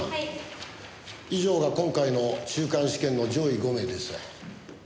以上が今回の中間試験の上位５名です。